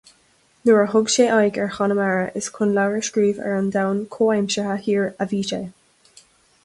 Nuair a thug sé aghaidh ar Chonamara, is chun leabhar a scríobh ar an domhan comhaimseartha thiar a bhí sé.